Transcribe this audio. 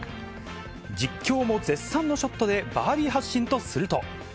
実況も絶賛のショットで、バーディー発進とすると。